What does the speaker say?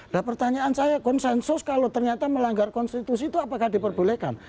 nah pertanyaan saya konsensus kalau ternyata melanggar konstitusi itu apakah diperbolehkan